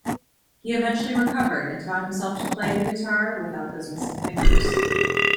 He eventually recovered, and taught himself to play the guitar without those missing fingers.